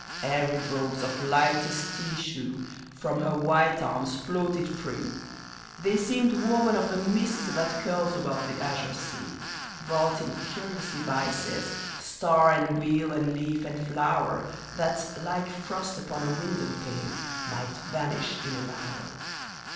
Airy robes of lightest tissue from her white arms floated free ; They seemed woven of the mist that curls above the azure sea, Wrought in curious devices, star and wheel and leaf and flower. That, like frost upon a window pane, might vanish in an hour.